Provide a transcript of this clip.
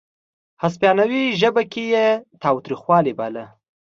هسپانوي ژبه کې یې تاوتریخوالی باله.